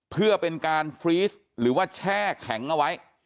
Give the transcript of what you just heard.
เพื่อเป็นการฟรีสหรือว่าแช่แข็งเอาไว้